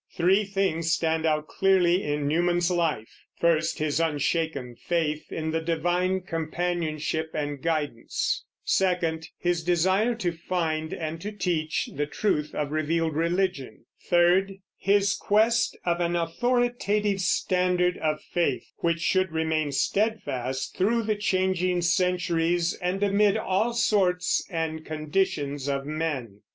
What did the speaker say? Three things stand out clearly in Newman's life: first, his unshaken faith in the divine companionship and guidance; second, his desire to find and to teach the truth of revealed religion; third, his quest of an authoritative standard of faith, which should remain steadfast through the changing centuries and amid all sorts and conditions of men.